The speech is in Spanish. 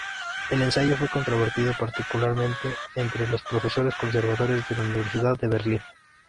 El ensayo fue controvertido, particularmente entre los profesores conservadores de la Universidad de Berlín.